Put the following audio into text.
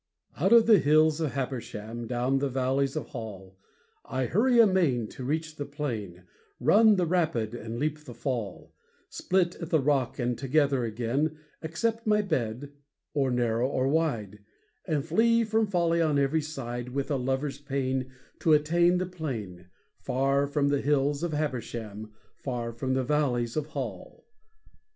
Out of the hills of Habersham, Down the valleys of Hall, I hurry amain to reach the plain, Run the rapid and leap the fall, Split at the rock and together again, Accept my bed, or narrow or wide, And flee from folly on every side With a lover's pain to attain the plain Far from the hills of Habersham, Far from the valleys of Hall.